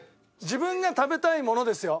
自分が食べたいものですよ。